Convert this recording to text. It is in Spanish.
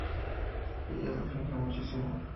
Ella lo fingió muchísimo.